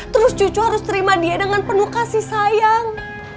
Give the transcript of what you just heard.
terus cucu harus terima dia dengan penuh kasih sayang